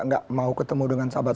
tidak mau ketemu dengan pak prabowo